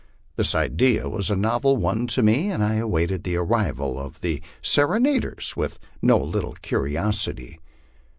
This idea was a novel one to me, and I awaited the arrival of the serenaders with no little curi osity.